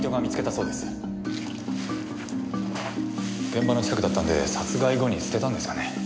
現場の近くだったんで殺害後に捨てたんですかね？